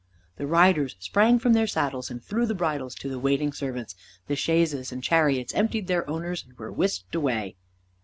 The riders sprang from their saddles and threw the bridles to the waiting servants, the chaises and the chariots emptied their owners and were whisked away.